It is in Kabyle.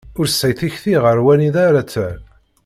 Ur tesɛi tikti ɣer wanida ara terr.